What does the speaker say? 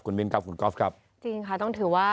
มิ้นครับคุณก๊อฟครับจริงค่ะต้องถือว่า